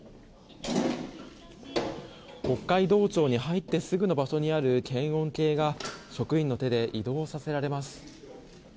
北海道庁に入ってすぐの場所にある検温計が職員の手で移動させられます。